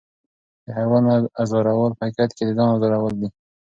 د حیوان ازارول په حقیقت کې د ځان ازارول دي.